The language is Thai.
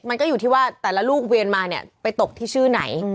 มันก็อยู่ที่ว่าแต่ละลูกเวียนมาเนี่ยไปตกที่ชื่อไหน